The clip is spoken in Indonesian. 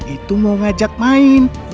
itu mau ngajak main